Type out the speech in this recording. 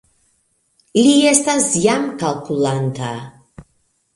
Li estas jam kalkulanta